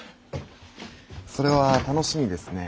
それは楽しみですね。